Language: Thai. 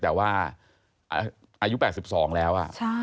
แต่ว่าอายุ๘๒แล้ว